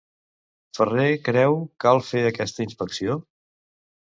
Ferrer creu cal fer aquesta inspecció?